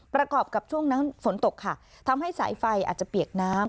ประกอบกับช่วงนั้นฝนตกค่ะทำให้สายไฟอาจจะเปียกน้ำ